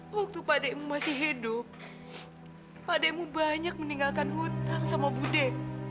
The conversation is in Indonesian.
waktu pak adekmu masih hidup pak dekmu banyak meninggalkan hutang sama budek